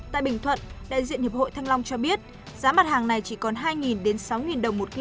tại bình thuận đại diện hiệp hội thăng long cho biết giá mặt hàng này chỉ còn hai sáu đồng một kg